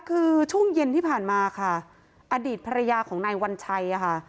คือช่วงเย็นที่ผ่านมาค่ะอดีตภรรยาของนายวัญชัยค่ะ